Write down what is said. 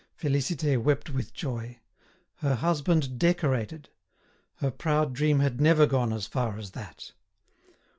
Félicité wept with joy. Her husband decorated! Her proud dream had never gone as far as that.